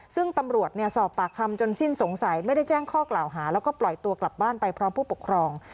ซึ่งตำรวจสอบปากคำจนสิ้นสงสัยไม่ได้แจ้งข้อกล่าวหาแล้วก็ปล่อยตัวกลับบ้านไปพร้อมผู้ปกครอง